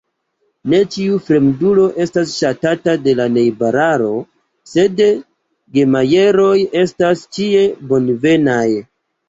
Ne ĉiu fremdulo estas ŝatata de la najbararo, sed la Gemajeroj estas ĉie bonvenaj.